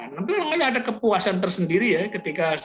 nah nanti ada kepuasan tersendiri ya